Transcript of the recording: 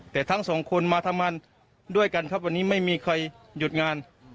แต่ทั้งสองคนมาทำงานด้วยกันครับวันนี้ไม่มีใครหยุดงาน